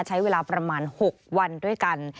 ใช้เวลาประมาณ๖วันด้วยกัน